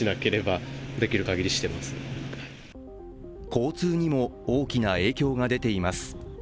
交通にも大きな影響が出ています。